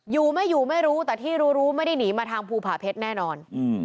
อยู่ไม่อยู่ไม่รู้แต่ที่รู้รู้ไม่ได้หนีมาทางภูผาเพชรแน่นอน